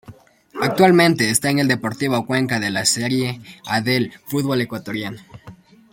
Actualmente esta en el Deportivo Cuenca de la Serie Adel futbol ecuatoriano.